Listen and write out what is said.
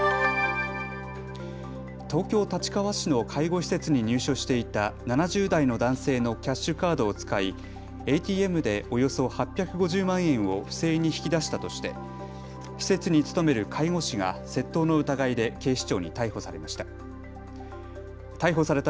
東京立川市の介護施設に入所していた７０代の男性のキャッシュカードを使いＡＴＭでおよそ８５０万円を不正に引き出したとして施設に勤める介護士が窃盗の疑いで警視庁に逮捕されました。